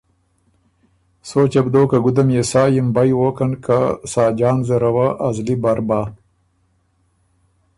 سوچه بو دوک که ګُده ميې سا یِمبئ ووکن که ساجان زره وه ا زلی بر بَۀ